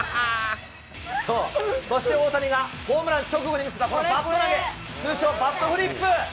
そう、そして大谷がホームラン直後に見せたこのバット投げ、通称、バットフリップ。